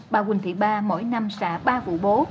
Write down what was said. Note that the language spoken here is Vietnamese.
bà quỳnh thị ba mỗi năm xã ba vụ bố